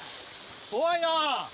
怖いな。